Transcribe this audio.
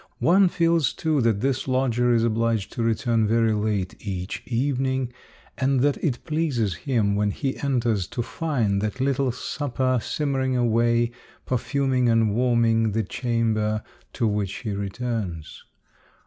One feels too that this lodger is obliged to return very late each evening, and that it pleases him, when he enters, to find that little supper simmering away, perfuming and warming the chamber to which he returns.